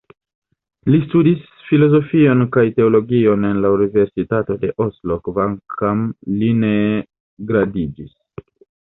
Li studis filozofion kaj teologion en la Universitato de Oslo, kvankam li ne gradiĝis.